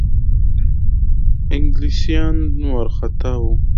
انګلیسیان وارخطا وه.